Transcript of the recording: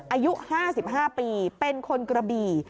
อายุ๕๕ปีเป็นคนกระบี่